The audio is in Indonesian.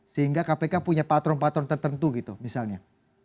sehingga kpk punya patron patron tertentu gitu misalnya